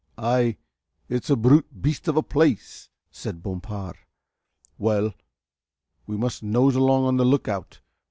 "Ay, it's a brute beast of a place," said Bompard, "well, we must nose along on the lookout.